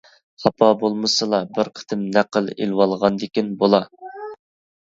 خاپا بولمىسىلا بىر قېتىم نەقىل ئېلىۋالغاندىكىن بولا.